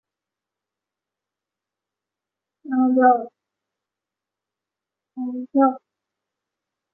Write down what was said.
而相关的讨论更带动剧集收视。